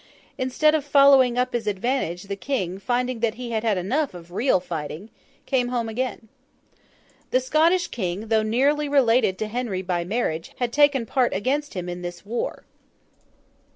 Instead of following up his advantage, the King, finding that he had had enough of real fighting, came home again. The Scottish King, though nearly related to Henry by marriage, had taken part against him in this war.